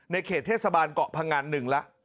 ในเขตเทศบาลเกาะพังอันหนึ่งละ